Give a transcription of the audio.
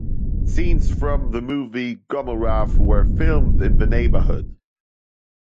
Scenes from the movie Gomorrah were filmed in the neighbourhood.